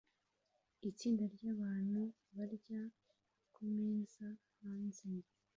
Itsinda ryabantu barya kumeza hanze